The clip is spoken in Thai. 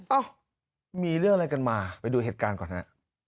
เอ้ามีเรื่องอะไรกันมาไปดูเหตุการณ์ก่อนฮะ